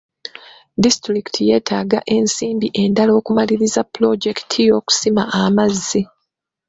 Disitulikiti yeetaaga ensimbi endala okumaliriza pulojekiti y'okusima amazzi.